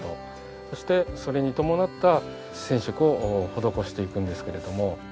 そしてそれに伴った染色を施していくんですけれども。